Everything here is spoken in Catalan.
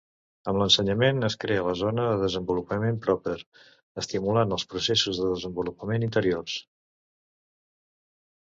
Amb l'ensenyament es crea la Zona de Desenvolupament Proper, estimulant els processos de desenvolupament interiors.